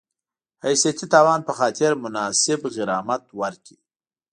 حیثیتي تاوان په خاطر مناسب غرامت ورکړي